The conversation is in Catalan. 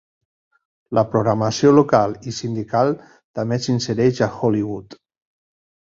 La programació local i sindical també s'insereix a Hollywood.